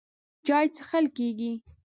چای څښل کېږي.